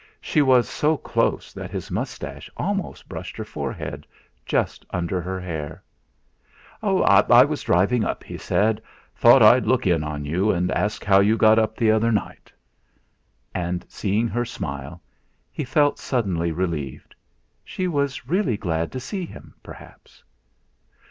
She was so close that his moustache almost brushed her forehead, just under her hair. "I was driving up," he said. "Thought I'd look in on you, and ask you how you got up the other night." And, seeing her smile, he felt suddenly relieved. She was really glad to see him, perhaps.